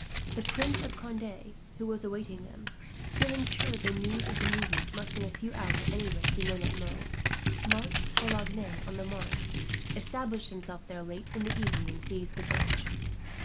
The Prince of Conde, who was awaiting them, feeling sure that the news of the movement must, in a few hours at any rate, be known at Meaux, marched for Lagny on the Mane, established himself there late in the evening, and seized the bridge.